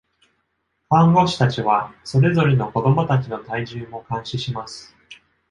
看護師たちは、それぞれの子どもたちの体重も監視します。